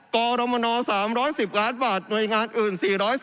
กรมน๓๑๐ล้านบาทหน่วยงานอื่น๔๓